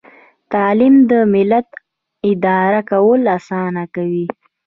تعلیم د ملت اداره کول اسانه کوي.